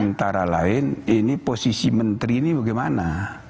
antara lain ini posisi menteri ini bagaimana